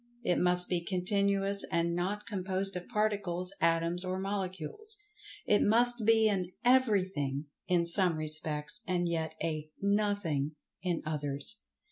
It must be continuous and not composed of Particles, Atoms or Molecules. It must be an "everything" in[Pg 105] some respects, and yet a "nothing" in others.